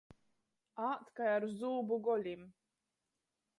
Ād kai ar zūbu golim.